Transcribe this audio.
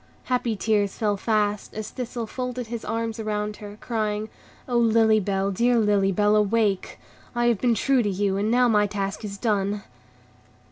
Happy tears fell fast, as Thistle folded his arms around her, crying, "O Lily Bell, dear Lily Bell, awake! I have been true to you, and now my task is done."